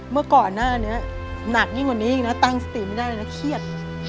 เมื่อก่อนหน้านี้หนักยิ่งกว่านี้อีกนะตั้งสติไม่ได้เลยนะเครียด